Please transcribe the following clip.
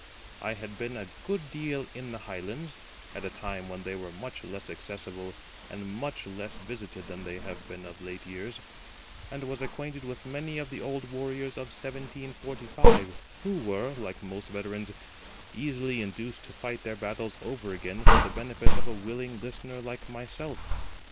I had been a good deal in the Highlands at a time when they were much less accessible and much less visited than they have been of late years, and was acquainted with many of the old warriors of 1745, who were, like most veterans, easily induced to fight their battles over again for the benefit of a willing listener like myself.